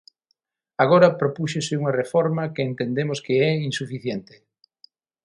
Agora propúxose unha reforma que entendemos que é insuficiente.